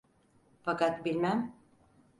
Fakat bilmem…